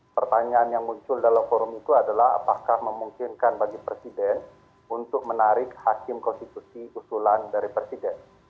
pertanyaan yang muncul dalam forum itu adalah apakah memungkinkan bagi presiden untuk menarik hakim konstitusi usulan dari presiden